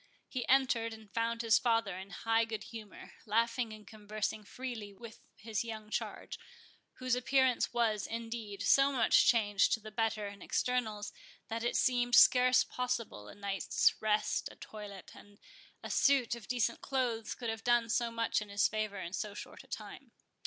He entered, and found his father in high good humour, laughing and conversing freely with his young charge, whose appearance was, indeed, so much changed to the better in externals, that it seemed scarce possible a night's rest, a toilet, and a suit of decent clothes, could have done so much in his favour in so short a time.